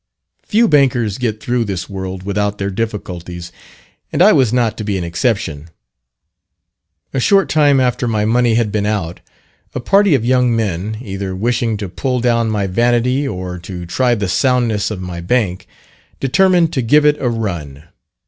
Few bankers get through this world without their difficulties, and I was not to be an exception. A short time after my money had been out, a party of young men, either wishing to pull down my vanity, or to try the soundness of my bank, determined to give it "a run."